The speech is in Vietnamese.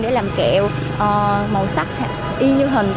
để làm kẹo màu sắc y như hình